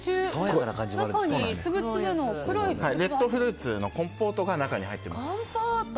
レッドフルーツのコンポートが中に入っています。